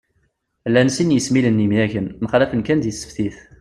Llan sin n yesmilen n yemyagen, mxallafen kan di tseftit